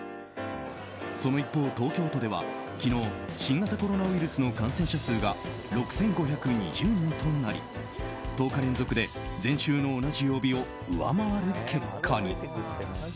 その一方、東京都では昨日、新型コロナウイルスの感染者数が６５２０人となり１０日連続で前週の同じ曜日を上回る結果に。